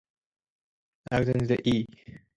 According to the E!